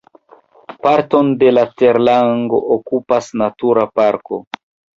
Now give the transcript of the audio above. Parton de la terlango okupas natura parko.